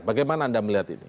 bagaimana anda melihat ini